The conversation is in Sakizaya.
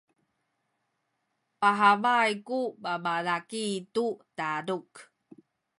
pahabay ku babalaki tu taduk.